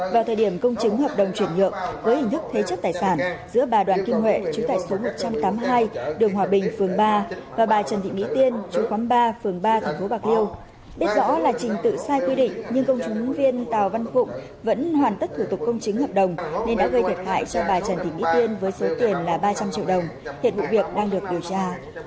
vào thời điểm công chứng hợp đồng chuyển nhượng với hình thức thế chất tài sản giữa bà đoàn kinh hệ chú tại số một trăm tám mươi hai đường hòa bình phường ba và bà trần thị mỹ tiên chú khóm ba phường ba tp bạc liêu biết rõ là trình tự sai quy định nhưng công chứng viên tào văn phụng vẫn hoàn tất thủ tục công chứng hợp đồng nên đã gây thiệt hại cho bà trần thị mỹ tiên với số tiền là ba trăm linh triệu đồng hiện vụ việc đang được điều tra